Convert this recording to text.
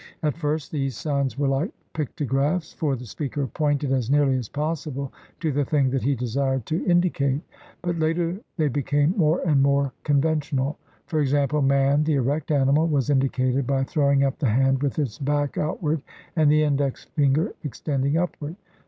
At first these signs were like pictographs, for the speaker pointed as nearly as possible to the thing that he desired to in dicate, but later they became more and more con ventional. For example, man, the erect animal, was indicated by throwing up the hand, with its back outward and the index finger extending upward.